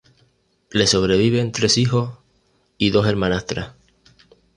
Le sobreviven tres hijos y dos hermanastras.